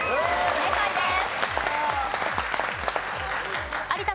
正解です。